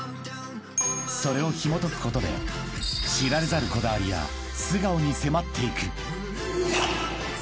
［それをひもとくことで知られざるこだわりや素顔に迫っていく］